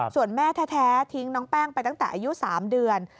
ส่วนแม่แท้ทิ้งน้องแป้งไปตั้งแต่อายุ๓เดือน